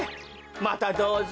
またどうぞ。